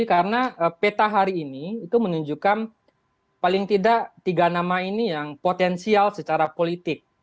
karena peta hari ini menunjukkan paling tidak tiga nama ini yang potensial secara politik